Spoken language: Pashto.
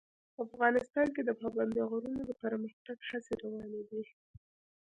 افغانستان کې د پابندی غرونه د پرمختګ هڅې روانې دي.